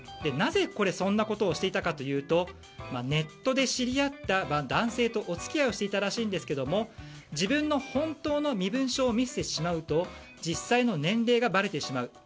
なぜそんなことをしていたかというとネットで知り合った男性とお付き合いをしていたらしいんですが自分の本当の身分証を見せてしまうと実際の年齢がばれてしまう。